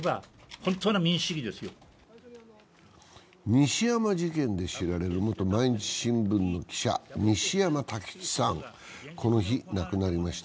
西山事件で知られる元毎日新聞の記者、西山太吉がこの日、亡くなりました。